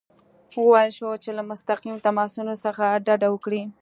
وویل شول چې له مستقیم تماسونو څخه ډډه وکړي.